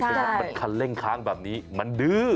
เป็นรถมันคันเร่งค้างแบบนี้มันดื้อ